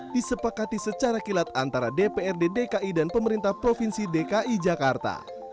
disepakati secara kilat antara dprd dki dan pemerintah provinsi dki jakarta